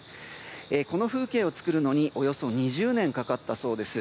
この風景を作るのにおよそ２０年かかったそうです。